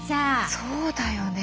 そうだよね。